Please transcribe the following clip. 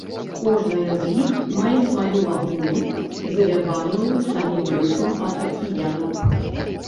Кожная з іх мае сваю лагуну, ізаляваную самім рыфам ад акіяна.